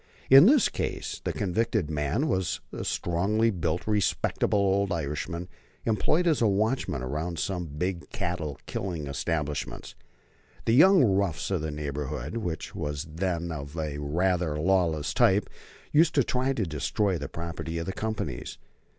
In this case the convicted man was a strongly built, respectable old Irishman employed as a watchman around some big cattle killing establishments. The young roughs of the neighborhood, which was then of a rather lawless type, used to try to destroy the property of the companies.